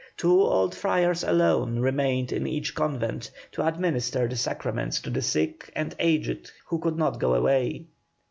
Two old friars alone remained in each convent to administer the sacraments to the sick and aged who could not go away.